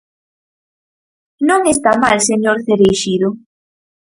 ¡Non está mal, señor Cereixido!